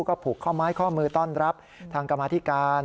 ก็ผูกข้อไม้ข้อมือต้อนรับทางกรรมาธิการ